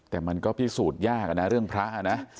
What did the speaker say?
แต่มันก็พิสูจน์ยากนะเรื่องพระนะ